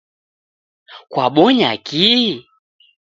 Kwabonya kii?